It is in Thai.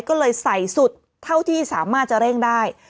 ก็เลยใส่สุดเท่าที่สามารถจะเร่งได้